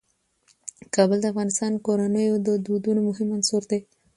کابل د افغان کورنیو د دودونو مهم عنصر دی.